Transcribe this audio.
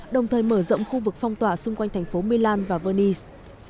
đồng thời mở rộng khu vực phong tỏa xung quanh thành phố milan và venice